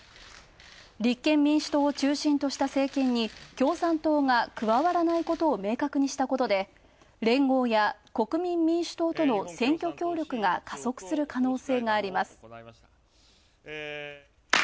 立憲民主党を中心とした政権に共産党が加わらないことを明確にしたことで連合や国民民主党との選挙協力が加速する可能性があります。